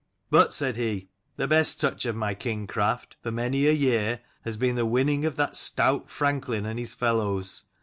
But, said he, the best touch of my kingcraft, for many a year, has been the winning of that stout franklin and his fellows.